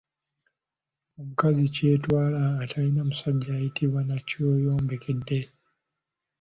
Omukazi kyetwala atalina musajja ayitibwa nnakyeyombekedde .